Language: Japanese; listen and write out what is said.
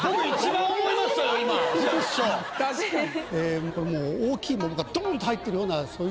確かに。